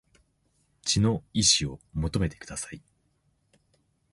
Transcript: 血の遺志を求めてください